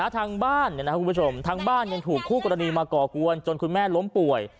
ทางบ้านยังถูกคู่กรณีมาก่อกวนจนคุณแม่ล้มป่วย